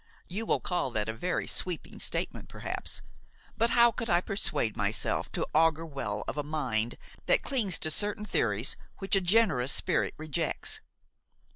You will call that a very sweeping statement perhaps; but how could I persuade myself to augur well of a mind that clings to certain theories which a generous spirit rejects?